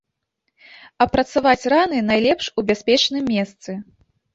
Апрацаваць раны найлепш у бяспечным месцы.